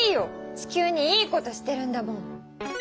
地球にいいことしてるんだもん！